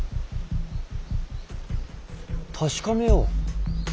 確かめよう。